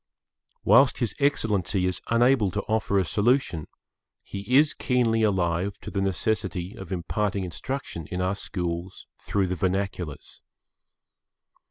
Whilst His Excellency is unable to offer a solution, he is keenly alive to the necessity of imparting instruction in our schools through the vernaculars.